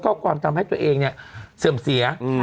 ก็ความทำให้ตัวเองเนี่ยเสื่อมเสียอืม